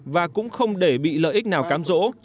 và cũng không để bị lợi ích nào cám rỗ